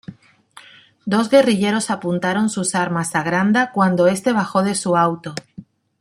Dos guerrilleros apuntaron sus armas a Granda cuando este bajó de su auto.